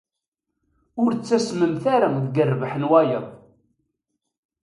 Ur ttasmemt ara deg rrbeḥ n wayeḍ.